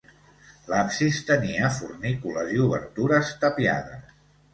L'absis tenia fornícules i obertures tapiades.